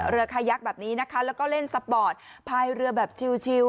คายักษ์แบบนี้นะคะแล้วก็เล่นสปอร์ตภายเรือแบบชิล